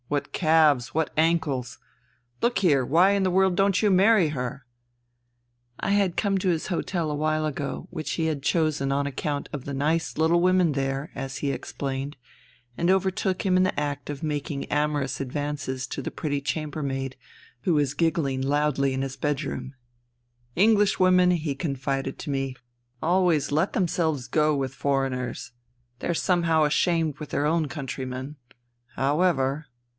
What calves ! What ankles ! Look here : why in the world don't you marry her ?" I had come to his hotel a while ago, which he had chosen on account of the " nice little women there," as he explained, and overtook him in the act of making amorous advances to the pretty chamber maid who was giggling loudly in his bedroom. " English women," he confided to me, " always let themselves 228 FUTILITY go with foreigners. They're somehow ashamed with their own countrymen. However.'